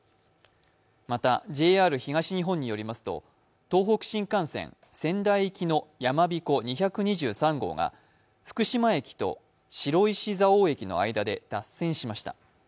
またＪＲ東日本によりますと、東北新幹線仙台行きのやまびこ２２３号が福島駅と白石蔵王駅の間で脱線しました。